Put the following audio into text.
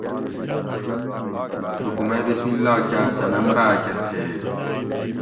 تھوکو مئ بسم اللّٰہ کاۤ صنم راۤکہ تھیگ